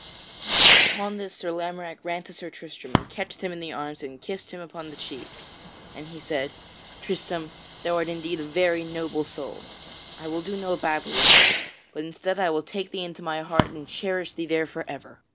But upon this Sir Lamorack ran to Sir Tristram and catched him in his arms and kissed him upon the cheek. And he said: "Tristram, thou art indeed a very noble soul. I will do no battle with thee, but instead I will take thee into my heart and cherish thee there forever."